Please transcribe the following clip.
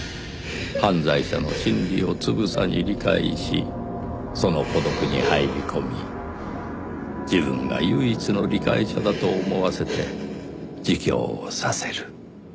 犯罪者の心理をつぶさに理解しその孤独に入り込み自分が唯一の理解者だと思わせて自供させる。